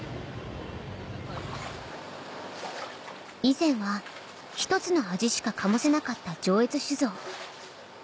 以前は１つの味しか醸せなかった上越酒造